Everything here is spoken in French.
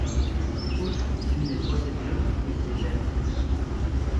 Foust suit les procédures et s'éjecte.